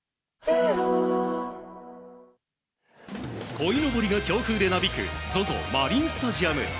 こいのぼりが強風でなびくＺＯＺＯマリンスタジアム。